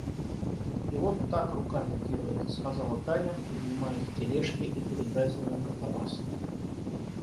И вот так руками делает, — сказала Таня, поднимаясь в тележке и передразнивая Катавасова.